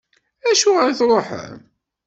Acuɣer i tṛuḥem?